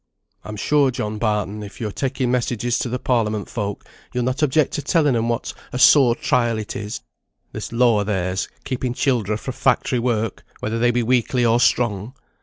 "I'm sure, John Barton, if yo are taking messages to the Parliament folk, yo'll not object to telling 'em what a sore trial it is, this law o' theirs, keeping childer fra' factory work, whether they be weakly or strong.